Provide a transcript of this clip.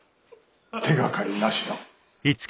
手がかり無しだ。